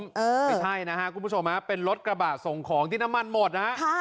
ไม่ใช่นะฮะคุณผู้ชมฮะเป็นรถกระบะส่งของที่น้ำมันหมดนะฮะ